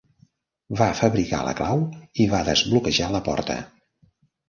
Va fabricar la clau i va desbloquejar la porta.